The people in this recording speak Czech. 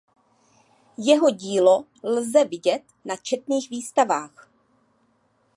Jeho dílo lze vidět na četných výstavách.